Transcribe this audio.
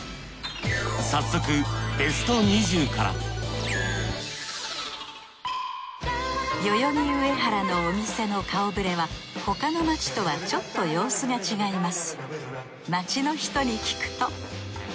早速ＢＥＳＴ２０から代々木上原のお店の顔ぶれは他の街とはちょっと様子が違います